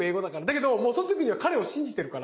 だけどもうその時には彼を信じてるから。